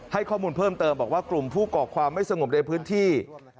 ให้ข้อมูลเพิ่มเติมบอกว่ากลุ่มผู้ก่อความไม่สงบในพื้นที่